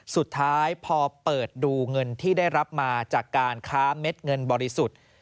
สุดท้ายพอเปิดดูเงินที่ได้รับมาจากการค้าเม็ดเงินบริสุทธิ์